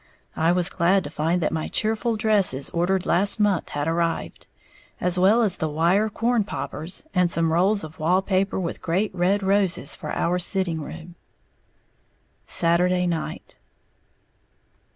I was glad to find that my cheerful dresses ordered last month had arrived, as well as the wire corn poppers and some rolls of wall paper with great red roses for our sitting room. _Saturday Night.